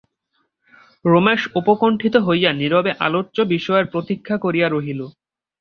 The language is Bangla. রমেশ উৎকণ্ঠিত হইয়া নীরবে আলোচ্য বিষয়ের প্রতীক্ষা করিয়া রহিল।